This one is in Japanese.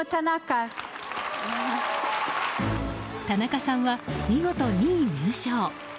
田中さんは見事２位入賞。